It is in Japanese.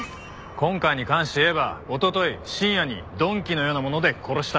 今回に関して言えばおととい深夜に鈍器のようなもので殺した。